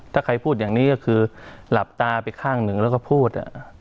ถ้าใครพูดอย่างนี้ก็คือหลับตาไปข้างหนึ่งแล้วก็พูด